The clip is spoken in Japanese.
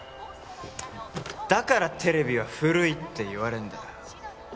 だからテレビは古いって言われんだよ